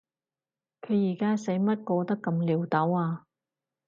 佢而家使乜過得咁潦倒啊？